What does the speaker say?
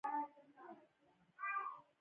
څوک د بلوطو کپس